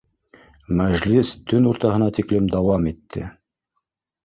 Мәжлес төн уртаһына тиклем дауам итте